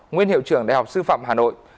nguyên hiệu trưởng đại học sư phạm hà nội